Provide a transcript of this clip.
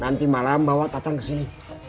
nanti malam bawa tatang kesini